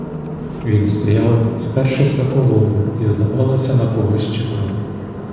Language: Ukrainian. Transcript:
Він стояв, спершись на колону, і, здавалось, на когось чекав.